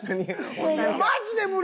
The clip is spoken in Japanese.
もうマジで無理。